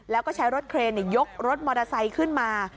แล้วก็ใช้รถเครนยกรถมอเตอร์ไซค์ขึ้นมา